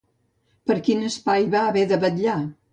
Per quin espai va haver de vetllar?